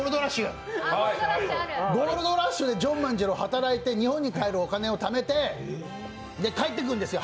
ゴールドラッシュでジョン万次郎働いて日本に帰るお金をためて帰ってくるんですよ。